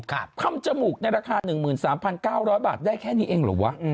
ทำจมูกในราคา๑๓๙๐๐บาทได้แค่นี้เองเหรอวะ